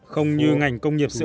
không như ngành công nghiệp sữa